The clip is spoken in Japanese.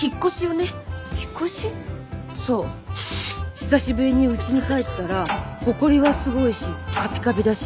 久しぶりにうちに帰ったらほこりはすごいしカピカピだし